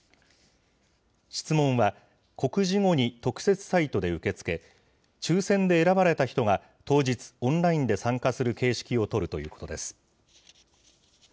質問は告示後に特設サイトで受け付け、抽せんで選ばれた人が当日、オンラインで参加する形式を取るということです。